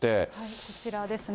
こちらですね。